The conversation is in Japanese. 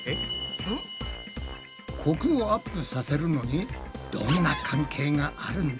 コクをアップさせるのにどんな関係があるんだ？